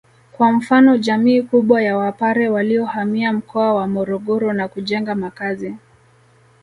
kwa mfano jamii kubwa ya Wapare waliohamia mkoa wa Morogoro na kujenga makazi